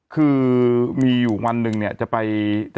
คือมีอยุ่งวันหนึ่งจะไป